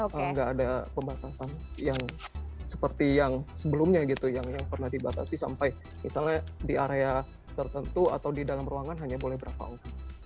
kalau nggak ada pembatasan yang seperti yang sebelumnya gitu yang pernah dibatasi sampai misalnya di area tertentu atau di dalam ruangan hanya boleh berapa orang